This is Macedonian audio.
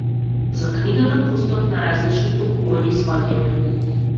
За книгата постојат најразлични толкувања и сфаќања.